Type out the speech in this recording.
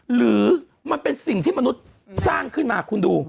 หรือมันเป็นสิ่งที่มนุษย์สร้างขึ้นมาคุณดู